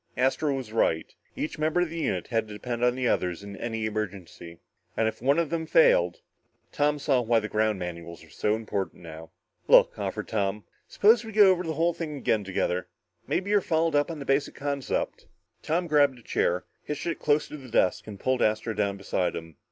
Astro was right. Each member of the unit had to depend on the other in any emergency. And if one of them failed...? Tom saw why the ground manuals were so important now. "Look," offered Tom. "Suppose we go over the whole thing again together. Maybe you're fouled up on the basic concept." Tom grabbed a chair, hitched it close to the desk and pulled Astro down beside him.